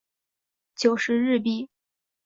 九十日币